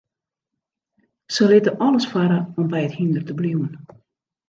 Se litte alles farre om by it hynder te bliuwen.